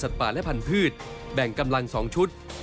สัตว์ป่าและพันพืชแบ่งกำลังสองชุด